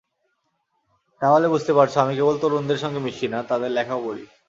তাহলে বুঝতেই পারছ, আমি কেবল তরুণদের সঙ্গে মিশি না, তঁাদের লেখাও পড়ি।